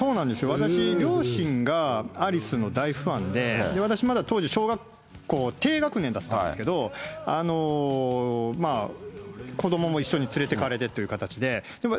私、両親がアリスの大ファンで、私、まだ当時、小学校低学年だったんですけど、子どもも一緒に連れてかれてという形で。